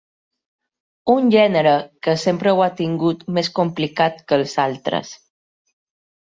Un gènere que sempre ho ha tingut més complicat que els altres.